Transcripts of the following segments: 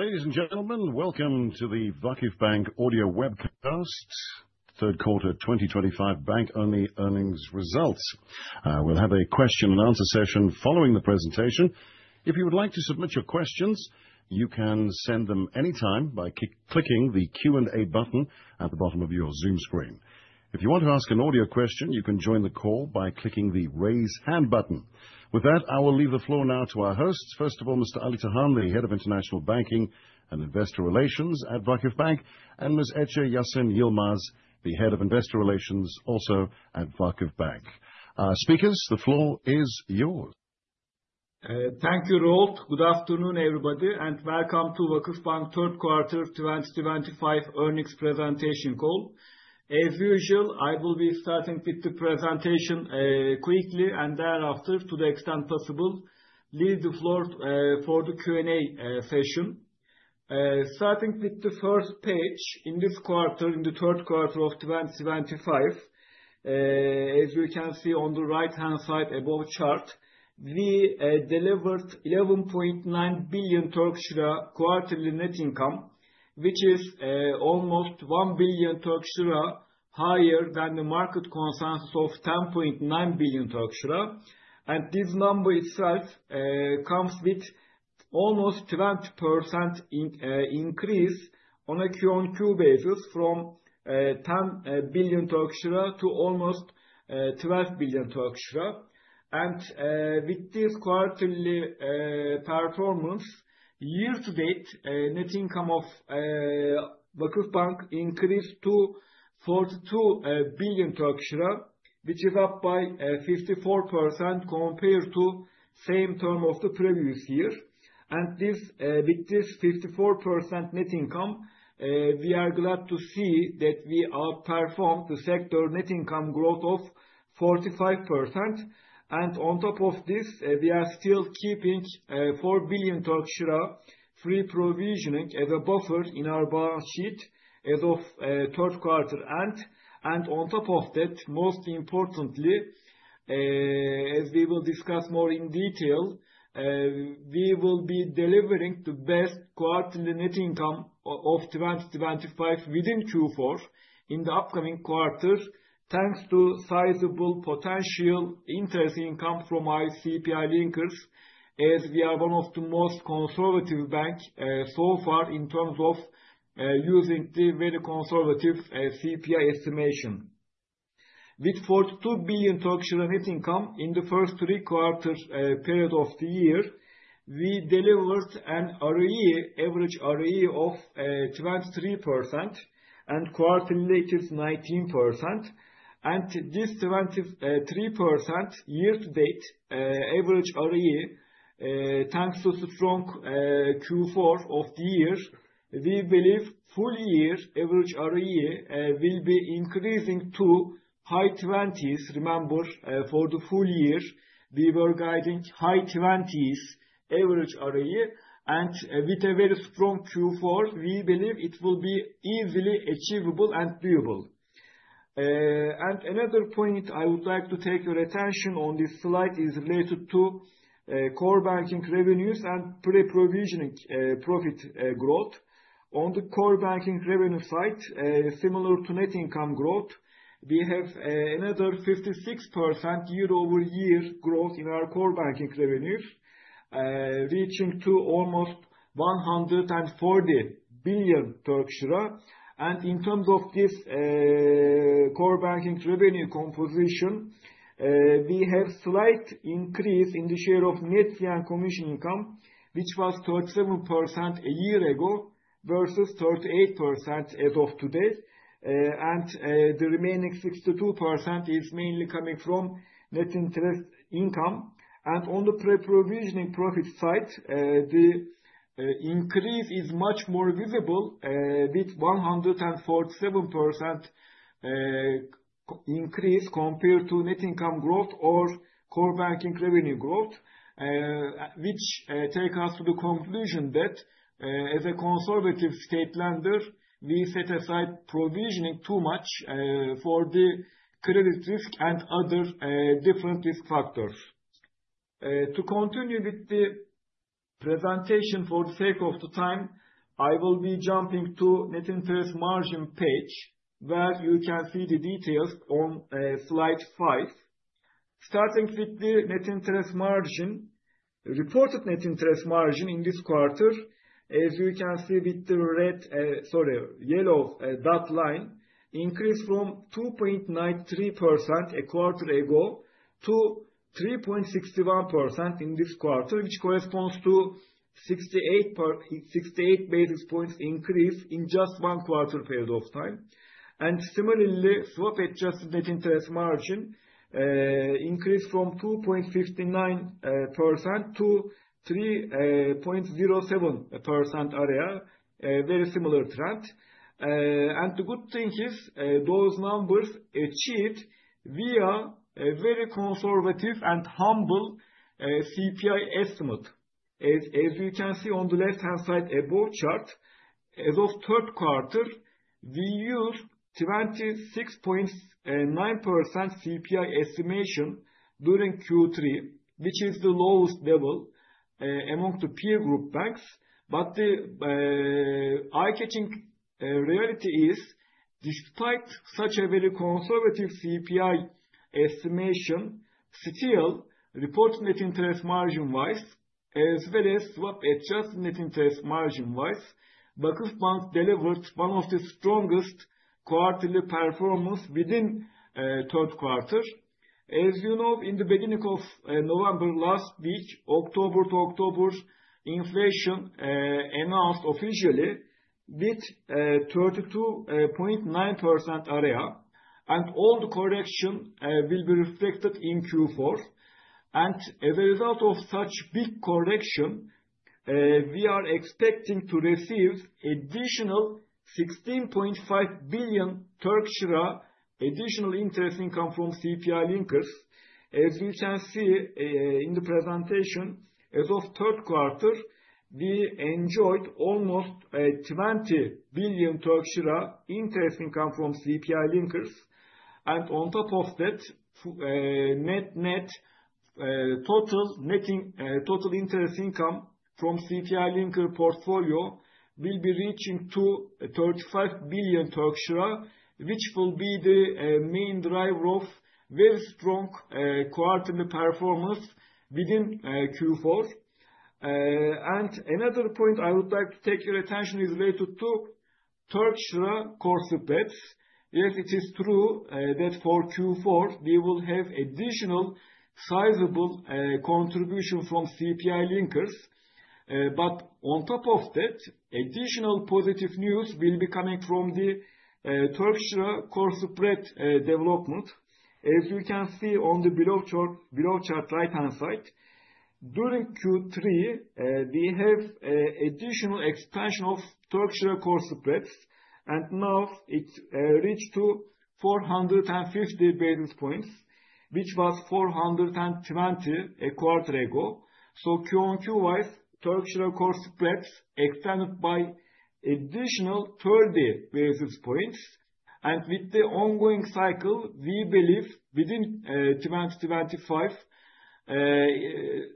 Ladies and gentlemen, welcome to the VakıfBank Audio Webcast Third quarter 2025 Bank-Only Earnings Results. We'll have a question and answer session following the presentation. If you would like to submit your questions, you can send them anytime by clicking the Q&A button at the bottom of your Zoom screen. If you want to ask an audio question, you can join the call by clicking the Raise Hand button. With that, I will leave the floor now to our hosts. First of all, Mr. Ali Tahan, the Head of International Banking and Investor Relations at VakıfBank, and Ms. Ece Seda Yasan Yılmaz, the Head of Investor Relations, also at VakıfBank. Speakers, the floor is yours. Thank you, Rolf. Good afternoon, everybody, and welcome to VakıfBank third quarter 2025 earnings presentation call. As usual, I will be starting with the presentation, quickly and thereafter, to the extent possible, leave the floor, for the Q&A session. Starting with the first page, in this quarter, in the third quarter of 2025, as you can see on the right-hand side above chart, we delivered 11.9 billion quarterly net income, which is, almost 1 billion higher than the market consensus of 10.9 billion. This number itself, comes with almost 20% increase on a QoQ basis from, 10 billion Turkish lira to almost, 12 billion Turkish lira. With this quarterly performance, year-to-date, net income of VakıfBank increased to 42 billion Turkish lira, which is up by 54% compared to same term of the previous year. And this, with this 54% net income, we are glad to see that we outperformed the sector net income growth of 45%. And on top of this, we are still keeping 4 billion Turkish lira free provision as a buffer in our balance sheet as of third quarter end. And on top of that, most importantly, as we will discuss more in detail, we will be delivering the best quarterly net income of 2025 within Q4 in the upcoming quarter, thanks to sizable potential interest income from our CPI linkers, as we are one of the most conservative bank so far in terms of using the very conservative CPI estimation. With 42 billion net income in the first three quarters period of the year, we delivered an ROE, average ROE of 23% and quarterly is 19%. And this 23% year-to-date average ROE, thanks to strong Q4 of the year, we believe full year average ROE will be increasing to high 20s. Remember, for the full year, we were guiding high 20s average ROE and with a very strong Q4, we believe it will be easily achievable and doable. Another point I would like to draw your attention to this slide is related to core banking revenues and pre-provisioning profit growth. On the core banking revenue side, similar to net income growth, we have another 56% year-over-year growth in our core banking revenue, reaching almost 140 billion Turkish lira. And in terms of this core banking revenue composition, we have slight increase in the share of net fee and commission income, which was 37% a year ago versus 38% as of today. And the remaining 62% is mainly coming from net interest income. And on the pre-provisioning profit side, the increase is much more visible with 147% increase compared to net income growth or core banking revenue growth, which take us to the conclusion that, as a conservative state lender, we set aside provisioning too much for the credit risk and other different risk factors. To continue with the presentation for the sake of the time, I will be jumping to net interest margin page, where you can see the details on slide five. Starting with the net interest margin. Reported net interest margin in this quarter, as you can see with the yellow dot line, increased from 2.93% a quarter ago to 3.61% in this quarter, which corresponds to 68 basis points increase in just one quarter period of time. Similarly, swap-adjusted net interest margin increased from 2.59% to 3.07%, a very similar trend. And the good thing is, those numbers achieved via a very conservative and humble CPI estimate. As you can see on the left-hand side above chart. As of third quarter, we use 26.9% CPI estimation during Q3, which is the lowest level among the peer group banks. The eye-catching reality is despite such a very conservative CPI estimation, still report net interest margin-wise as well as swap-adjusted net interest margin-wise, VakıfBank has delivered one of the strongest quarterly performance within third quarter. As you know, in the beginning of November last week, October-to-October inflation announced officially with 32.9% year-on-year, and all the correction will be reflected in Q4. As a result of such big correction, we are expecting to receive additional 16.5 billion Turkish lira interest income from CPI linkers. As you can see, in the presentation as of third quarter, we enjoyed almost 20 billion Turkish lira interest income from CPI linkers. And on top of that, net-net, total net interest income from CPI linker portfolio will be reaching to 35 billion Turkish lira, which will be the main driver of very strong quarterly performance within Q4. And another point I would like to take your attention is related to Turkish Lira core spreads. Yes, it is true that for Q4, we will have additional sizable contribution from CPI linkers. But on top of that, additional positive news will be coming from the Turkish Lira core spread development. As you can see on the below chart right-hand side. During Q3, we have additional expansion of Turkish Lira core spreads, and now it reached to 450 basis points, which was 420 basis points a quarter ago. QoQ wise, Turkish Lira core spreads expanded by additional 30 basis points. And with the ongoing cycle, we believe within 2025,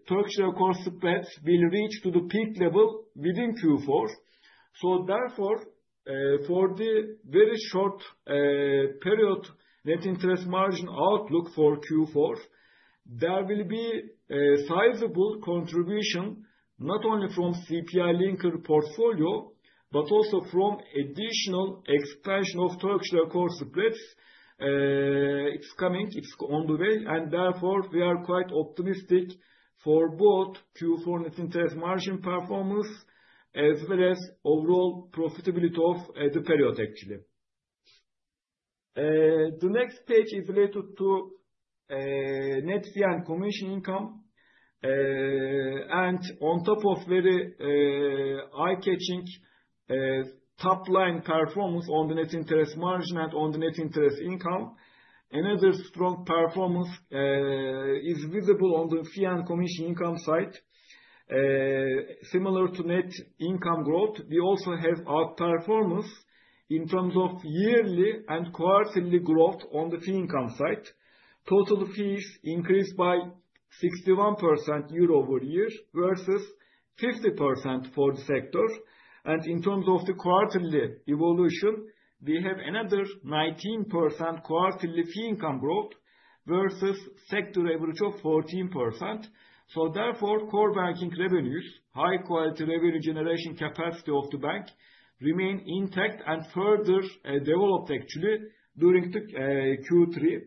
Turkish Lira core spreads will reach to the peak level within Q4. So therefore, for the very short period net interest margin outlook for Q4, there will be a sizable contribution, not only from CPI linker portfolio, but also from additional expansion of Turkish Lira core spreads. It's coming, it's on the way, and therefore we are quite optimistic for both Q4 net interest margin performance as well as overall profitability of the period actually. The next page is related to net fee and commission income. On top of very, eye-catching, top-line performance on the net interest margin and on the net interest income, another strong performance is visible on the fee and commission income side. Similar to net income growth, we also have outperformance in terms of yearly and quarterly growth on the fee income side. Total fees increased by 61% year-over-year versus 50% for the sector. In terms of the quarterly evolution, we have another 19% quarterly fee income growth versus sector average of 14%. So therefore, core banking revenues, high quality revenue generation capacity of the bank remain intact and further, developed actually during the Q3.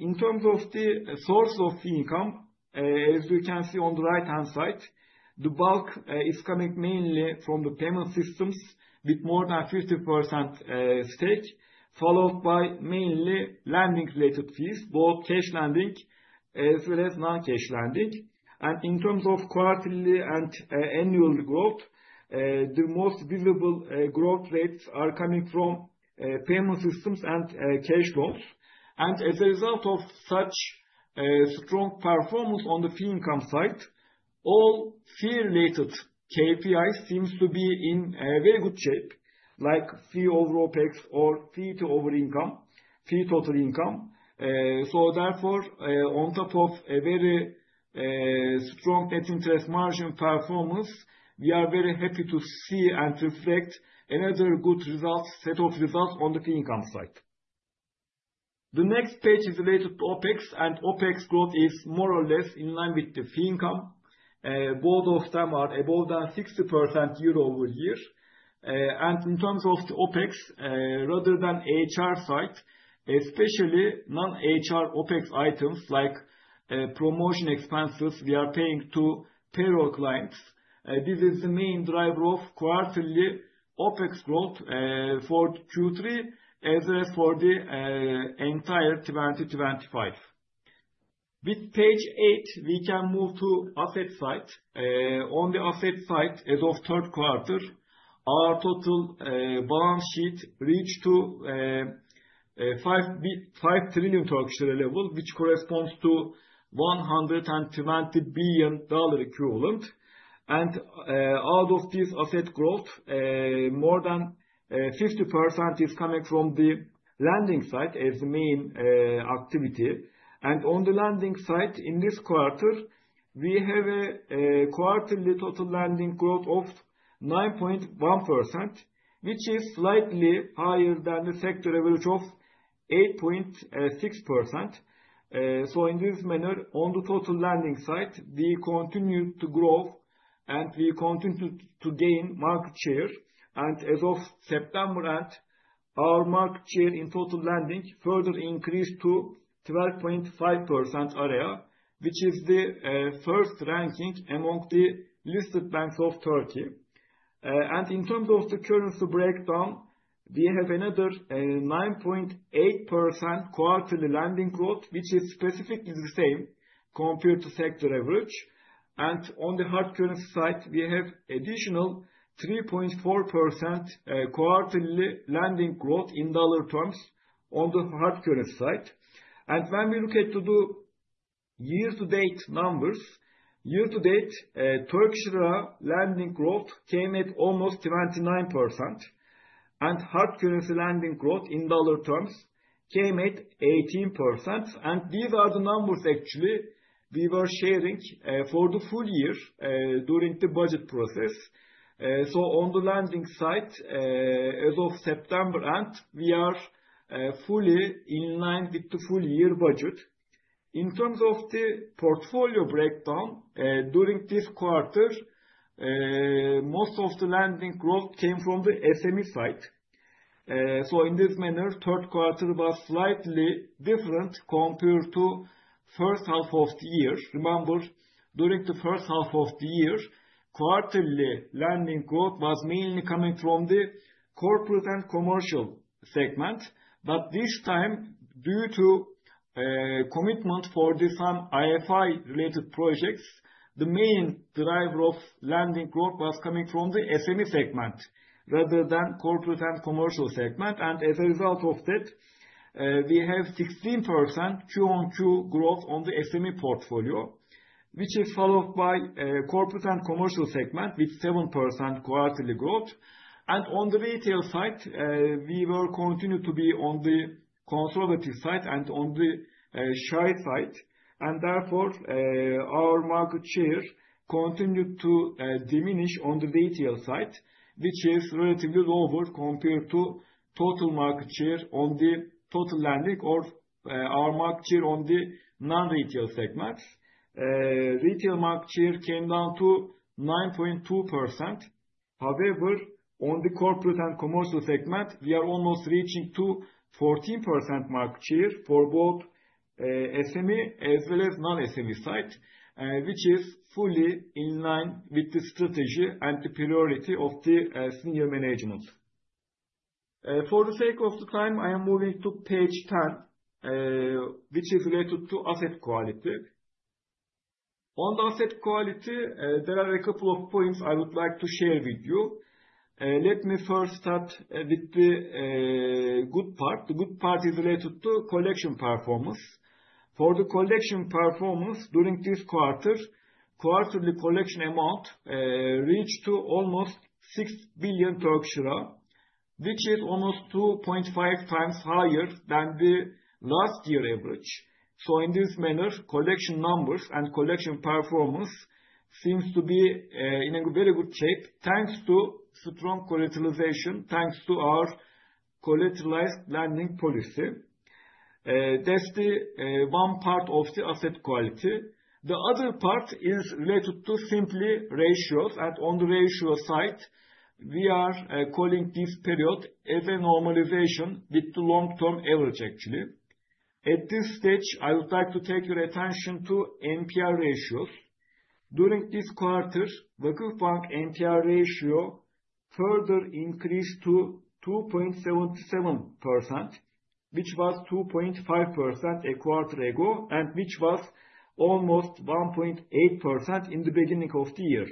In terms of the source of fee income, as you can see on the right-hand side, the bulk is coming mainly from the payment systems with more than 50% stake, followed by mainly lending related fees, both cash lending as well as non-cash lending. In terms of quarterly and annual growth, the most visible growth rates are coming from payment systems and cash loans. As a result of such strong performance on the fee income side, all fee related KPIs seems to be in a very good shape, like fee over OpEx or fee to over income, fee total income. So therefore, on top of a very strong net interest margin performance, we are very happy to see and reflect another good results, set of results on the fee income side. The next page is related to OpEx, and OpEx growth is more or less in line with the fee income. Both of them are above the 60% year-over-year. In terms of the OpEx, rather than HR side, especially non-HR OpEx items like promotion expenses we are paying to payroll clients, this is the main driver of quarterly OpEx growth for Q3 as well as for the entire 2025. With page eight, we can move to asset side. On the asset side, as of third quarter, our total balance sheet reached to 5 trillion level, which corresponds to $120 billion equivalent. Out of this asset growth, more than 50% is coming from the lending side as the main activity. On the lending side, in this quarter, we have a quarterly total lending growth of 9.1%, which is slightly higher than the sector average of 8.6%. In this manner, on the total lending side, we continue to grow and we continue to gain market share. As of September end, our market share in total lending further increased to 12.5% share, which is the first ranking among the listed banks of Turkey. In terms of the currency breakdown, we have another 9.8% quarterly lending growth, which is specifically the same compared to sector average. On the hard currency side, we have additional 3.4% quarterly lending growth in dollar terms on the hard currency side. When we look at the year-to-date numbers, year-to-date, Turkish Lira lending growth came at almost 29%, and hard currency lending growth in dollar terms came at 18%. These are the numbers actually we were sharing for the full year during the budget process. So on the lending side, as of September end, we are fully in line with the full year budget. In terms of the portfolio breakdown, during this quarter, most of the lending growth came from the SME side. So in this manner, third quarter was slightly different compared to first half of the year. Remember, during the first half of the year, quarterly lending growth was mainly coming from the corporate and commercial segment. But this time, due to commitment for some IFI related projects, the main driver of lending growth was coming from the SME segment rather than corporate and commercial segment. And as a result of that, we have 16% Q-on-Q growth on the SME portfolio, which is followed by corporate and commercial segment with 7% quarterly growth. On the retail side, we will continue to be on the conservative side and on the shy side. And therefore, our market share continued to diminish on the retail side, which is relatively lower compared to total market share on the total lending or our market share on the non-retail segments. Retail market share came down to 9.2%. However, on the corporate and commercial segment, we are almost reaching to 14% market share for both, SME as well as non-SME side, which is fully in line with the strategy and the priority of the senior management. For the sake of the time, I am moving to page 10, which is related to asset quality. On the asset quality, there are a couple of points I would like to share with you. Let me first start with the good part. The good part is related to collection performance. For the collection performance during this quarter, quarterly collection amount reached to almost 6 billion Turkish lira, which is almost 2.5x higher than the last year average. So in this manner, collection numbers and collection performance seems to be in a very good shape, thanks to strong collateralization, thanks to our collateralized lending policy. That's the one part of the asset quality. The other part is related to simply ratios. On the ratio side, we are calling this period as a normalization with the long-term average actually. At this stage, I would like to take your attention to NPL ratios. During this quarter, VakıfBank NPL ratio further increased to 2.77%, which was 2.5% a quarter ago, and which was almost 1.8% in the beginning of the year.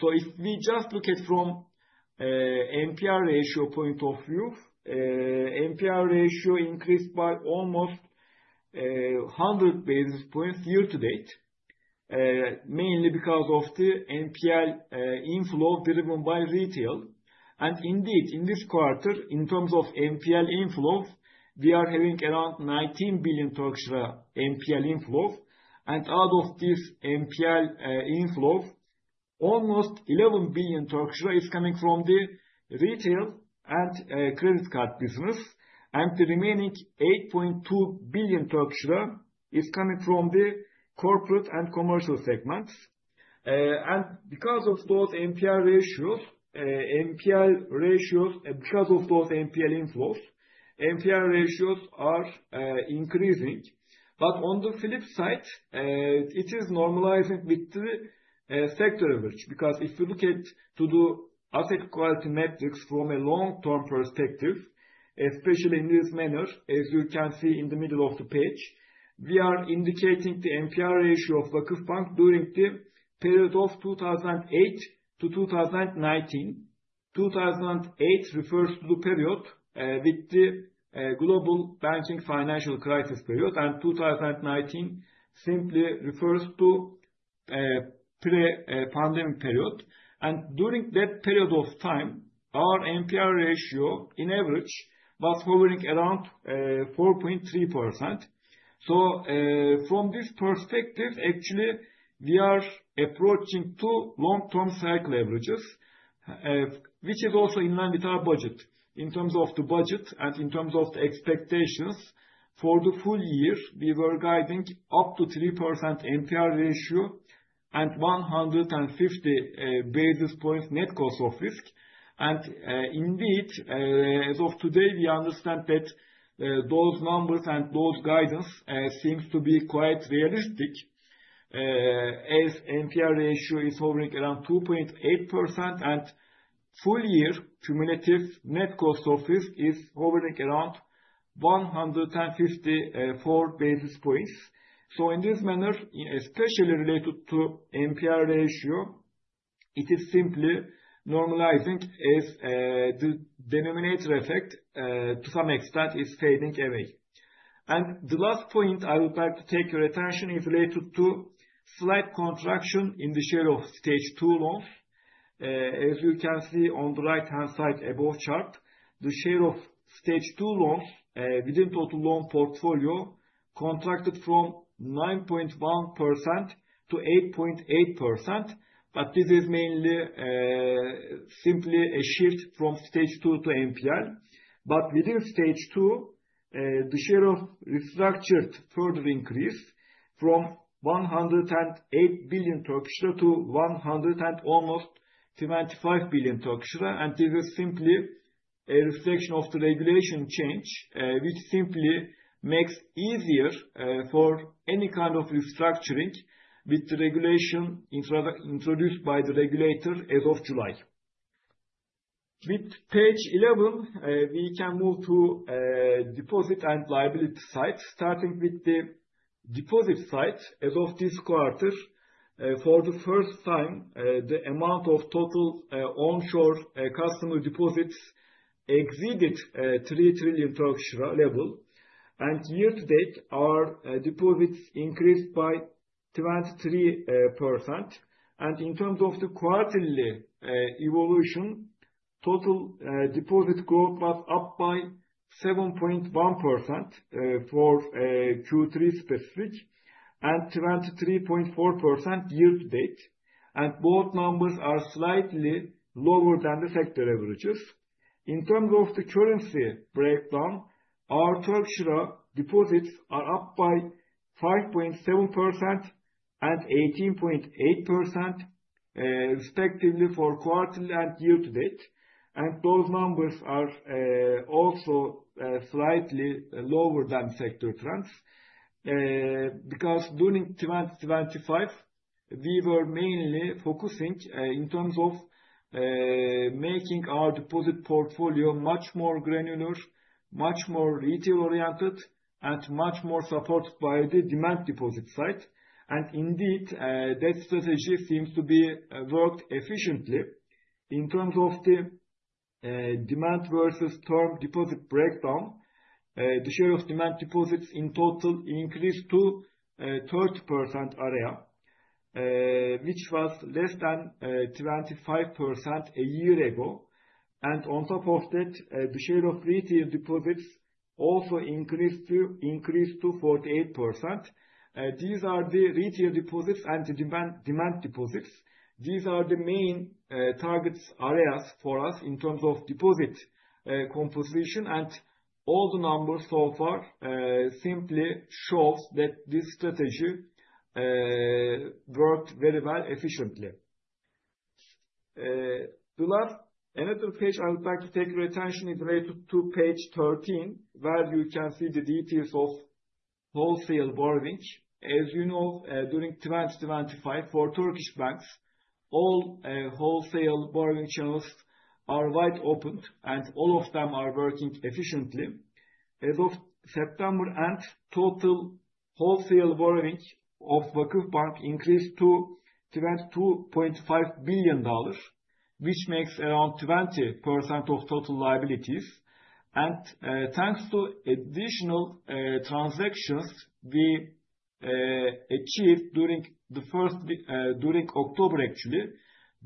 So if we just look at from NPL ratio point of view, NPL ratio increased by almost 100 basis points year to date, mainly because of the NPL inflow driven by retail. And indeed, in this quarter, in terms of NPL inflows, we are having around 19 billion NPL inflow. Out of this NPL inflow, almost 11 billion is coming from the retail and credit card business. And the remaining 8.2 billion Turkish lira is coming from the corporate and commercial segments. Because of those NPL inflows, NPL ratios are increasing. But on the flip side, it is normalizing with the sector average. Because if you look at the asset quality metrics from a long-term perspective, especially in this manner, as you can see in the middle of the page, we are indicating the NPL ratio of VakıfBank during the period of 2008 to 2019. 2008 refers to the period with the global banking financial crisis period, and 2019 simply refers to pre-pandemic period. During that period of time, our NPL ratio on average was hovering around 4.3%. So from this perspective, actually, we are approaching the long-term cycle averages, which is also in line with our budget. In terms of the budget and in terms of the expectations for the full year, we were guiding up to 3% NPL ratio and 150 basis points net cost of risk. And indeed, as of today, we understand that those numbers and those guidance seems to be quite realistic, as NPL ratio is hovering around 2.8% and full year cumulative net cost of risk is hovering around 154 basis points. So in this manner, especially related to NPL ratio, it is simply normalizing as the denominator effect, to some extent is fading away. The last point I would like to take your attention is related to slight contraction in the share of stage two loans. As you can see on the right-hand side above chart, the share of stage two loans within total loan portfolio contracted from 9.1% to 8.8%. This is mainly simply a shift from stage two to NPL. Within stage two, the share of restructured further increased from 108 billion Turkish lira to almost 125 billion Turkish lira. This is simply a reflection of the regulation change, which simply makes it easier for any kind of restructuring with the regulation introduced by the regulator as of July. With page 11, we can move to deposit and liability side, starting with the deposit side. As of this quarter, for the first time, the amount of total onshore customer deposits exhibits the 3 trillion level. Year to date, our deposits increased by 23%. In terms of the quarterly evaluation, total deposit growth was up by 7.1% for Q3 specifically and 23.4% year to date. Both numbers are slightly lower than the sector averages. In terms of the currency breakdown, our Turkish Lira deposits are up by 5.7% and 18.8%, respectively for quarterly and year to date. Those numbers are also slightly lower than sector trends because during 2025, we were mainly focusing in terms of making our deposit portfolio much more granular, much more retail-oriented, and much more supported by the demand deposit side. And indeed, that strategy seems to be worked efficiently. In terms of the demand versus term deposit breakdown, the share of demand deposits in total increased to 30% area, which was less than 25% a year ago. On top of that, the share of retail deposits also increased to 48%. These are the retail deposits and the demand deposits. These are the main target areas for us in terms of deposit composition. And all the numbers so far simply shows that this strategy worked very well efficiently. Another page I would like to take your attention is related to page 13, where you can see the details of wholesale borrowing. As you know, during 2025, for Turkish banks, all wholesale borrowing channels are wide open, and all of them are working efficiently. As of September end, total wholesale borrowing of VakıfBank increased to $22.5 billion, which makes around 20% of total liabilities. Thanks to additional transactions we achieved during the first week during October actually,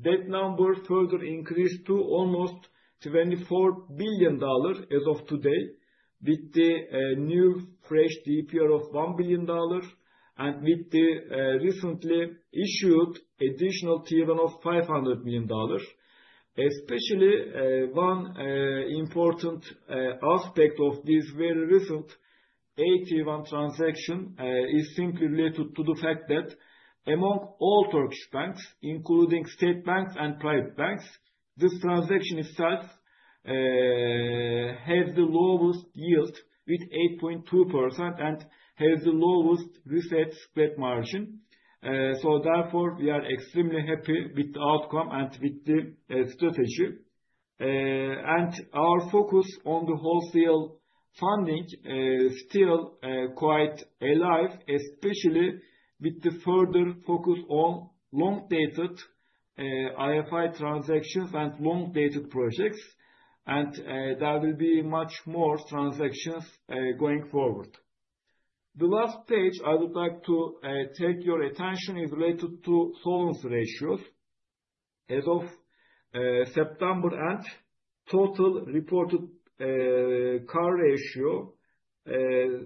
that number further increased to almost $24 billion as of today with the new fresh DPR of $1 billion and with the recently issued additional tier one of $500 million. Especially one important aspect of this very recent AT1 transaction is simply related to the fact that among all Turkish banks, including state banks and private banks, this transaction itself has the lowest yield with 8.2% and has the lowest reset spread margin. Therefore, we are extremely happy with the outcome and with the strategy. And our focus on the wholesale funding still quite alive, especially with the further focus on long-dated IFI transactions and long-dated projects. There will be much more transactions going forward. The last page I would like to take your attention is related to solvency ratios. As of September end, total reported CAR ratio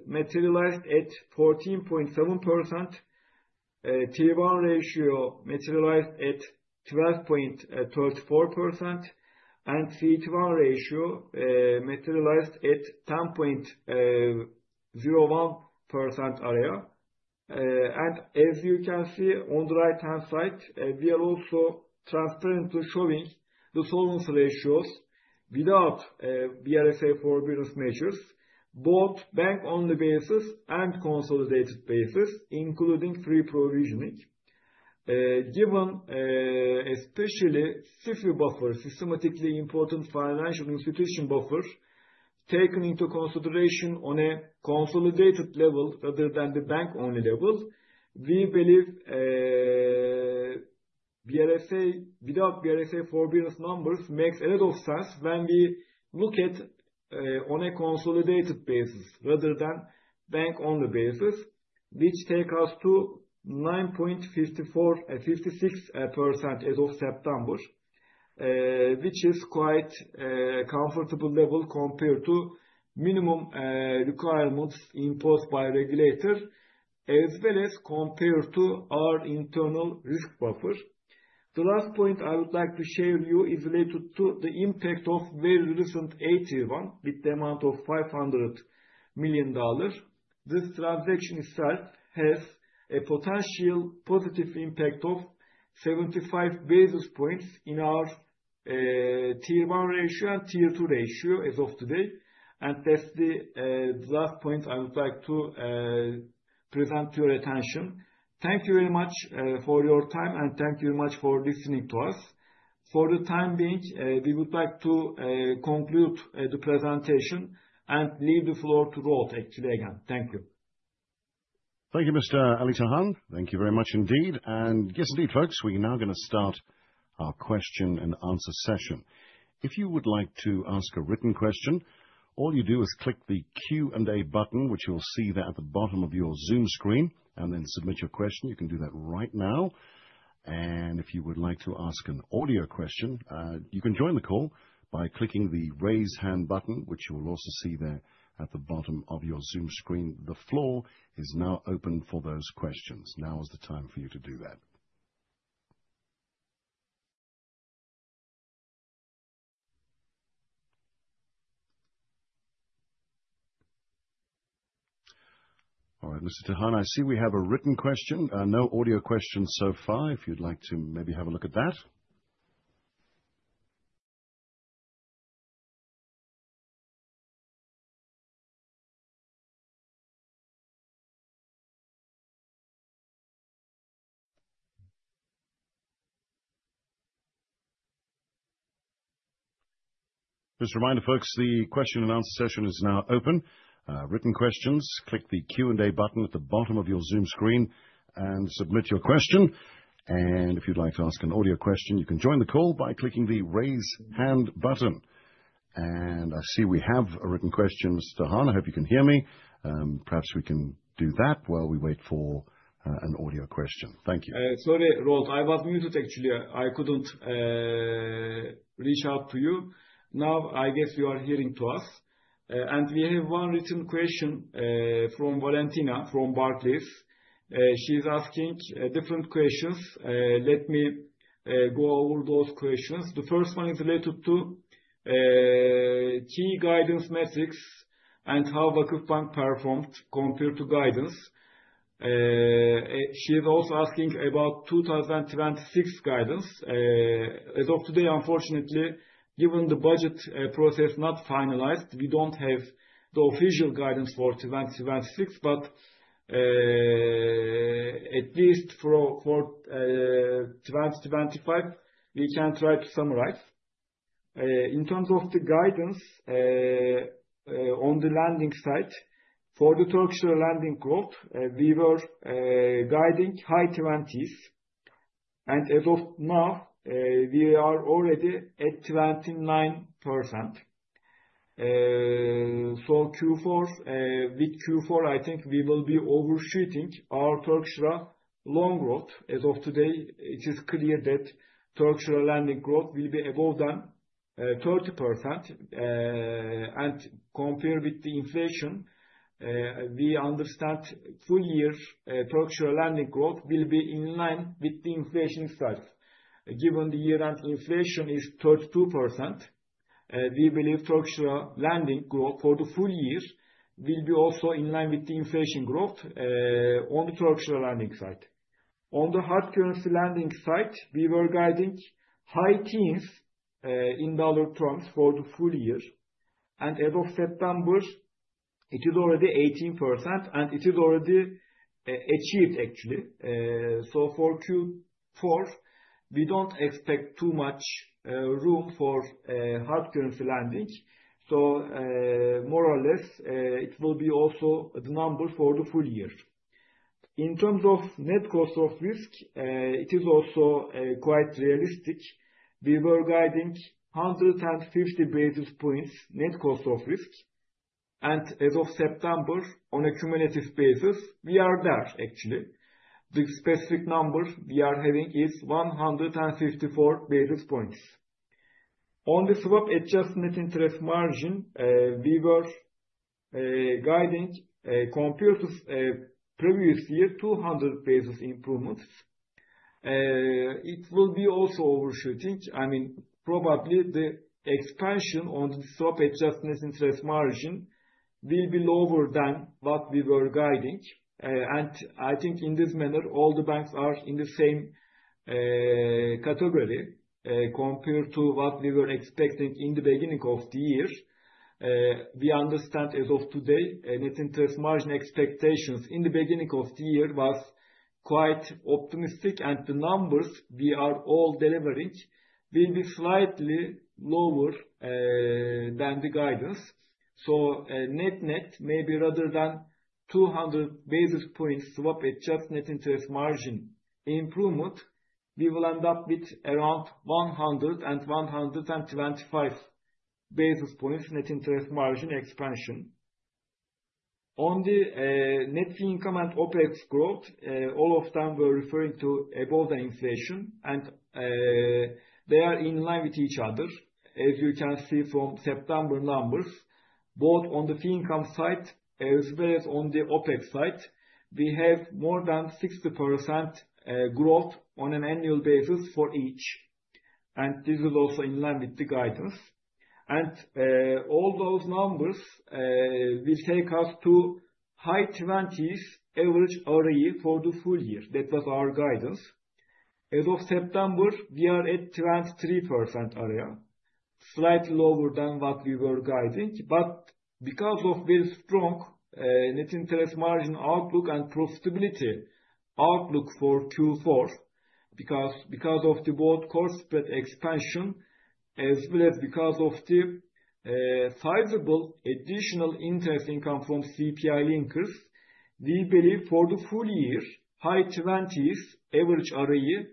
materialized at 14.7%. Tier one ratio materialized at 12.34%. CET1 ratio materialized at 10.01% area. As you can see on the right-hand side, we are also transparently showing the solvency ratios without BRSA forbearance measures, both on bank basis and consolidated basis, including free provisioning. Given especially SIFI buffer, systemically important financial institution buffer, taken into consideration on a consolidated level rather than the bank-only level, we believe BRSA without BRSA forbearance numbers makes a lot of sense when we look at on a consolidated basis rather than bank-only basis, which take us to 9.54%-9.56% as of September. Which is quite comfortable level compared to minimum requirements imposed by regulator, as well as compared to our internal risk buffer. The last point I would like to share with you is related to the impact of very recent AT1 with the amount of $500 million. This transaction itself has a potential positive impact of 75 basis points in our tier one ratio and tier two ratio as of today. And that's the last point I would like to present to your attention. Thank you very much for your time, and thank you very much for listening to us. For the time being, we would like to conclude the presentation and leave the floor to Rolf actually again. Thank you. Thank you, Mr. Ali Tahan. Thank you very much indeed. Yes, indeed, folks, we are now gonna start our question and answer session. If you would like to ask a written question, all you do is click the Q&A button, which you'll see there at the bottom of your Zoom screen, and then submit your question. You can do that right now. If you would like to ask an audio question, you can join the call by clicking the Raise Hand button, which you will also see there at the bottom of your Zoom screen. The floor is now open for those questions. Now is the time for you to do that. All right, Mr. Tahan, I see we have a written question. No audio questions so far. If you'd like to maybe have a look at that. Just a reminder, folks, the question and answer session is now open. Written questions, click the Q&A button at the bottom of your Zoom screen and submit your question. And if you'd like to ask an audio question, you can join the call by clicking the Raise Hand button. I see we have a written question. Mr. Tahan, I hope you can hear me. Perhaps we can do that while we wait for an audio question. Thank you. Sorry, Rolf. I was muted actually. I couldn't reach out to you. Now, I guess you are hearing to us. We have one written question from Valentina, from Barclays. She's asking different questions. Let me go over those questions. The first one is related to key guidance metrics and how VakıfBank performed compared to guidance. She is also asking about 2026 guidance. As of today, unfortunately, given the budget process not finalized, we don't have the official guidance for 2026. At least for 2025, we can try to summarize. In terms of the guidance on the lending side, for the Turkish Lira lending growth, we were guiding high 20s. As of now, we are already at 29%. So Q4, with Q4, I think we will be overshooting our Turkish Lira loan growth. As of today, it is clear that Turkish Lira lending growth will be above the 30%. Compared with the inflation, we understand full year Turkish Lira lending growth will be in line with the inflation itself. Given the year-end inflation is 32%, we believe Turkish Lira lending growth for the full year will be also in line with the inflation growth, on the Turkish Lira lending side. On the hard currency lending side, we were guiding high teens, in dollar terms for the full year. As of September, it is already 18% and it is already achieved actually. For Q4, we don't expect too much room for hard currency lending. More or less, it will be also the number for the full year. In terms of net cost of risk, it is also quite realistic. We were guiding 150 basis points net cost of risk, and as of September, on a cumulative basis, we are there actually. The specific number we are having is 154 basis points. On the swap-adjusted net interest margin, we were guiding, compared to previous year, 200 basis points improvement. It will be also overshooting. I mean, probably the expansion on the swap-adjusted net interest margin will be lower than what we were guiding. I think in this manner, all the banks are in the same category, compared to what we were expecting in the beginning of the year. We understand as of today, net interest margin expectations in the beginning of the year was quite optimistic, and the numbers we are all delivering will be slightly lower than the guidance. Net-net maybe rather than 200 basis points swap-adjusted net interest margin improvement, we will end up with around 100 basis points and 125 basis points net interest margin expansion. On the net fee income and OpEx growth, all of them were referring to above the inflation and they are in line with each other. As you can see from September numbers, both on the fee income side as well as on the OpEx side, we have more than 60% growth on an annual basis for each, and this is also in line with the guidance. All those numbers will take us to high 20s average ROE for the full year. That was our guidance. As of September, we are at 23% area, slightly lower than what we were guiding. Because of this strong net interest margin outlook and profitability outlook for Q4, because of both core spread expansion as well as because of the sizable additional interest income from CPI linkers, we believe for the full year, high 20s average ROE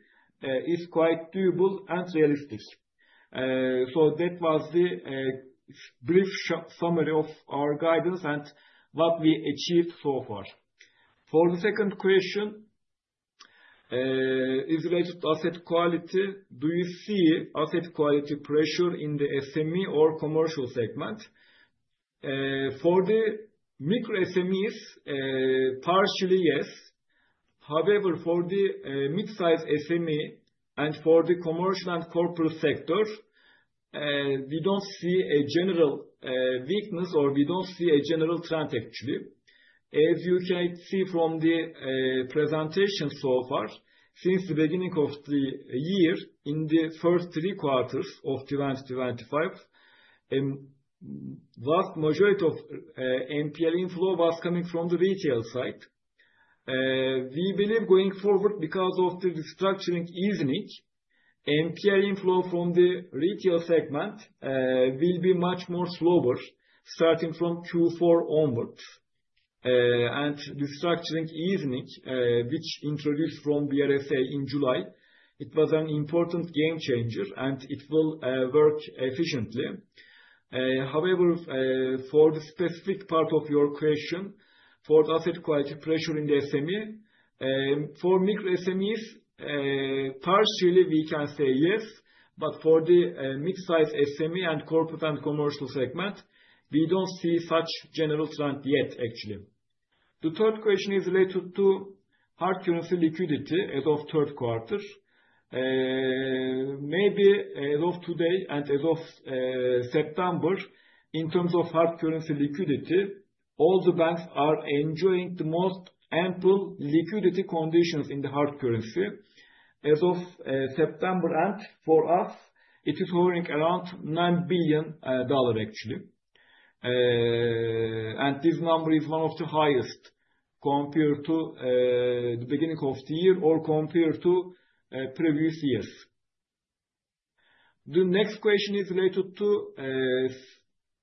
is quite doable and realistic. That was the brief summary of our guidance and what we achieved so far. For the second question is related to asset quality. Do you see asset quality pressure in the SME or commercial segment? For the micro SMEs, partially, yes. However, for the mid-size SME and for the commercial and corporate sector, we don't see a general weakness, or we don't see a general trend actually. As you can see from the presentation so far, since the beginning of the year, in the first three quarters of 2025, vast majority of NPL inflow was coming from the retail side. We believe going forward, because of the restructuring easing, NPL inflow from the retail segment will be much more slower starting from Q4 onwards. The restructuring easing, which was introduced by BRSA in July, it was an important game changer, and it will work efficiently. However, for the specific part of your question, for the asset quality pressure in the SME, for micro SMEs, partially, we can say yes, but for the mid-size SME and corporate and commercial segment, we don't see such general trend yet actually. The third question is related to hard currency liquidity as of third quarter. Maybe as of today and as of September, in terms of hard currency liquidity, all the banks are enjoying the most ample liquidity conditions in the hard currency. As of September end, for us, it is hovering around $9 billion actually. And this number is one of the highest compared to the beginning of the year or compared to previous years. The next question is related to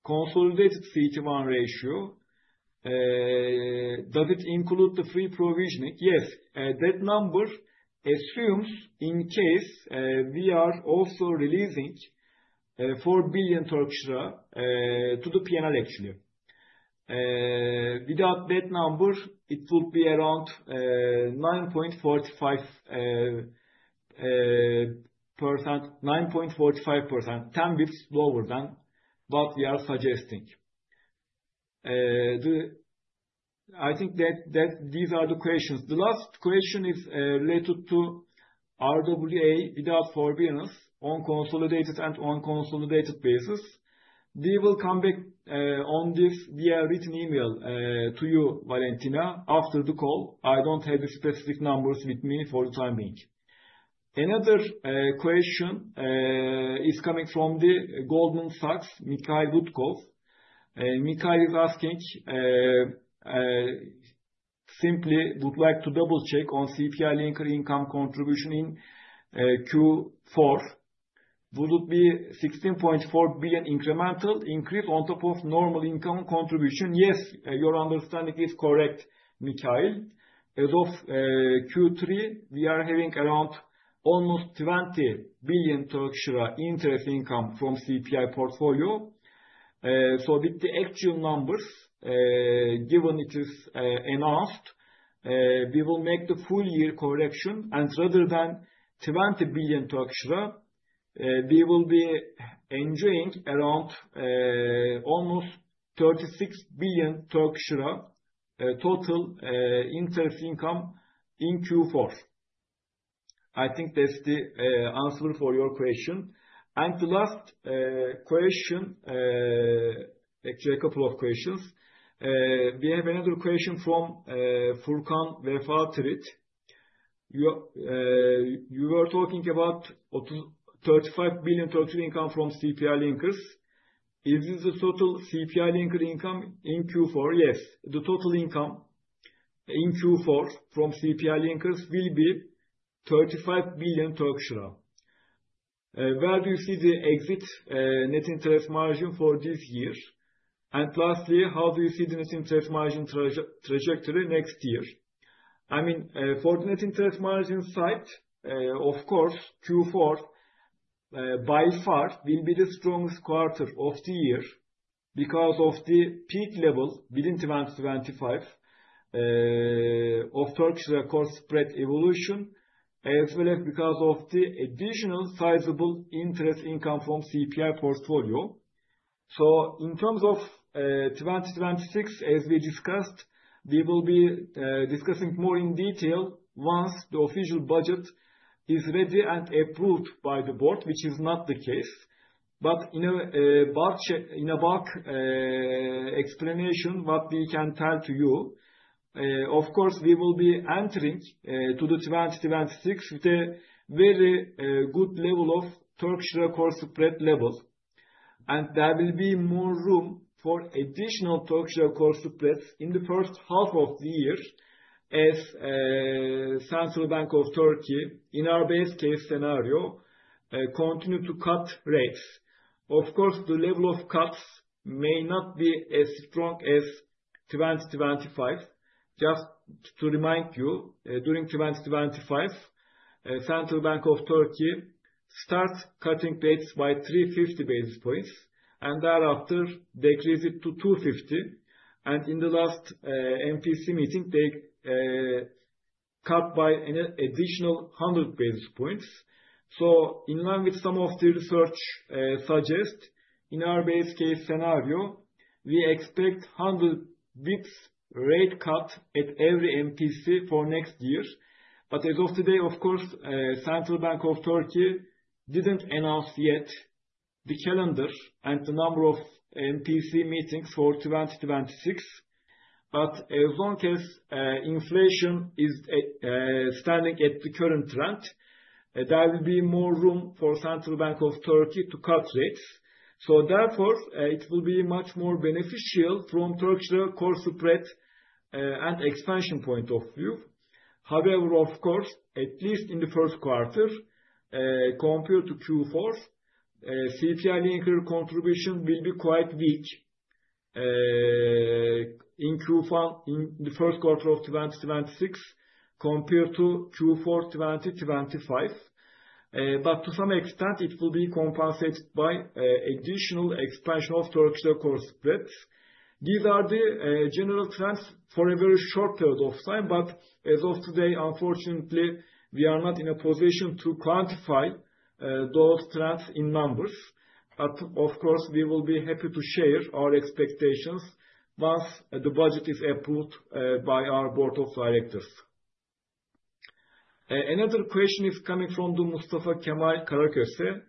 consolidated CET1 ratio. Does it include the free provisioning? Yes. That number assumes in case we are also releasing 4 billion to the P&L actually. Without that number, it would be around 9.45%. 10 basic points lower than what we are suggesting. I think that these are the questions. The last question is related to RWA without forbearance on consolidated basis. We will come back on this via written email to you, Valentina, after the call. I don't have the specific numbers with me for the time being. Another question is coming from Goldman Sachs, Mikhail Butkov. Mikhail is asking simply would like to double-check on CPI-linked income contribution in Q4. Would it be 16.4 billion incremental increase on top of normal income contribution? Yes, your understanding is correct, Mikhail. As of Q3, we are having around almost 20 billion Turkish lira interest income from CPI portfolio. So with the actual numbers given it is announced, we will make the full year correction. Rather than 20 billion, we will be enjoying around almost 36 billion total interest income in Q4. I think that's the answer for your question. The last question, actually a couple of questions. We have another question from Furkan Vefadar. You were talking about 35 billion total income from CPI linkers. Is this the total CPI linker income in Q4? Yes. The total income in Q4 from CPI linkers will be 35 billion Turkish lira. Where do you see the exit net interest margin for this year? Lastly, how do you see the net interest margin trajectory next year? I mean, for net interest margin side, of course, Q4 by far will be the strongest quarter of the year because of the peak levels within 2025 of Turkish Lira core spread evolution, as well as because of the additional sizable interest income from CPI portfolio. In terms of 2026, as we discussed, we will be discussing more in detail once the official budget is ready and approved by the board, which is not the case. In a bulk explanation, what we can tell to you, of course, we will be entering to the 2026 with a very good level of Turkish Lira core spread levels. There will be more room for additional Turkish Lira core spreads in the first half of the year as Central Bank of Turkey, in our base case scenario, continue to cut rates. Of course, the level of cuts may not be as strong as 2025. Just to remind you, during 2025, Central Bank of Turkey starts cutting rates by 350 basis points, and thereafter decreases it to 250. In the last MPC meeting, they cut by an additional 100 basis points. In line with some of the research suggest, in our base case scenario, we expect 100 basis points rate cut at every MPC for next year. As of today, of course, Central Bank of Turkey didn't announce yet the calendar and the number of MPC meetings for 2026. As long as inflation is standing at the current trend, there will be more room for Central Bank of the Republic of Turkey to cut rates. It will be much more beneficial from Turkish Lira core spread and expansion point of view. However, of course, at least in the first quarter compared to Q4, CPI linkers contribution will be quite weak in Q1, in the first quarter of 2026 compared to Q4 2025. To some extent, it will be compensated by additional expansion of Turkish Lira core spreads. These are the general trends for a very short period of time. As of today, unfortunately, we are not in a position to quantify those trends in numbers. Of course, we will be happy to share our expectations once the budget is approved by our board of directors. Another question is coming from the Mustafa Kemal Karaköse.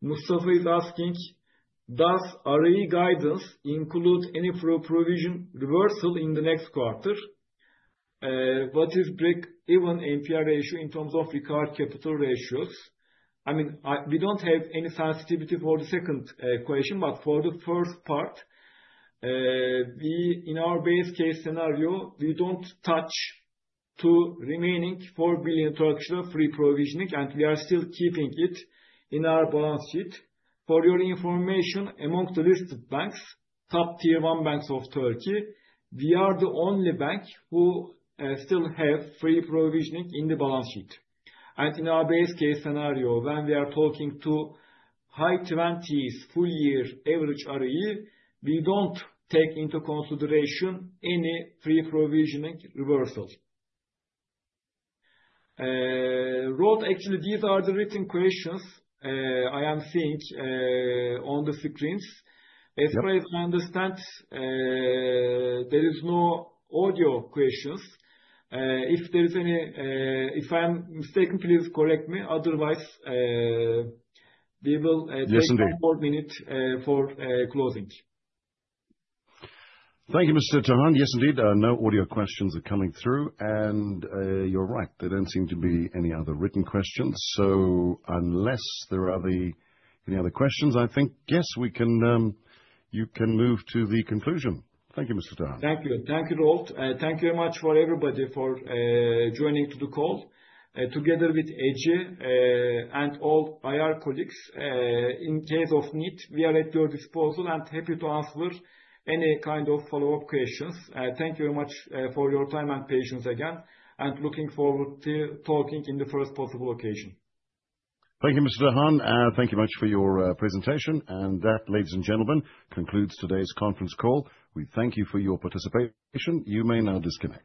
Mustafa is asking, does ROE guidance include any provision reversal in the next quarter? What is break even NPL ratio in terms of required capital ratios? I mean, we don't have any sensitivity for the second question. But for the first part, we in our base case scenario, we don't touch to remaining 4 billion free provisionings, and we are still keeping it in our balance sheet. For your information, among the listed banks, top tier one banks of Turkey, we are the only bank who still have free provisionings in the balance sheet. In our base case scenario, when we are talking to high 20s full year average ROE, we don't take into consideration any free provisioning reversals. Rolf, actually, these are the written questions I am seeing on the screens. As far as I understand, there is no audio questions. If there is any, if I'm mistaken, please correct me. Otherwise, we will. Yes, indeed. Take a couple minutes for closing. Thank you, Mr. Tahan. Yes, indeed. No audio questions are coming through. You're right, there don't seem to be any other written questions. Unless there are any other questions, I think yes you can move to the conclusion. Thank you, Mr. Tahan. Thank you. Thank you, Rolf. Thank you very much for everybody for joining to the call. Together with Ece and all IR colleagues, in case of need, we are at your disposal and happy to answer any kind of follow-up questions. Thank you very much for your time and patience again, and looking forward to talking in the first possible occasion. Thank you, Mr. Tahan. Thank you much for your presentation. That, ladies and gentlemen, concludes today's conference call. We thank you for your participation. You may now disconnect.